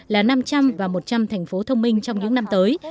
là năm trăm linh và một trăm linh thành phố thông minh trong những năm tới